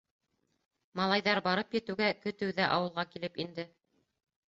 Малайҙар барып етеүгә, көтөү ҙә ауылға килеп инде.